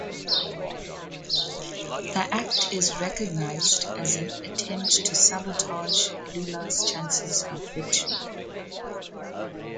The act is recognized as an attempt to sabotage Lula's chances of victory.